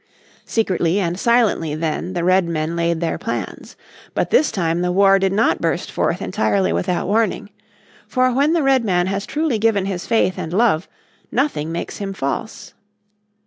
Secretly and silently then the Redmen laid their plans. But this time the war did not burst forth entirely without warning. For when the Redman has truly given his faith and love nothing makes him false.